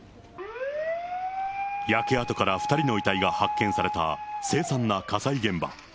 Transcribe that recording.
焼け跡から２人の遺体が発見された、凄惨な火災現場。